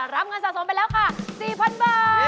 รับเงินสะสมไปแล้วค่ะ๔๐๐๐บาท